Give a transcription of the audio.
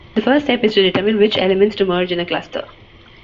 The first step is to determine which elements to merge in a cluster.